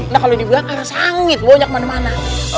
nah kalau dibakar sangit banyak mana mana